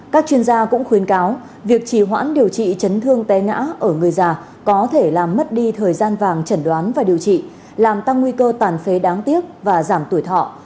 các chuyên gia cũng khuyến cáo việc chỉ hoãn điều trị chấn thương té ngã ở người già có thể làm mất đi thời gian vàng chẩn đoán và điều trị làm tăng nguy cơ tàn phế đáng tiếc và giảm tuổi thọ